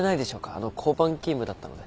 あの交番勤務だったので。